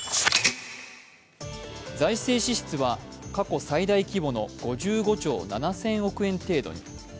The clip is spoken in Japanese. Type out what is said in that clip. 財政支出は過去最大規模の５５兆７０００億円程度に。